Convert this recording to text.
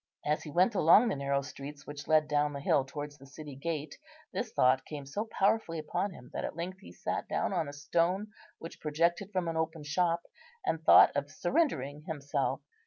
As he went along the narrow streets which led down the hill towards the city gate this thought came so powerfully upon him that at length he sat down on a stone which projected from an open shop, and thought of surrendering himself.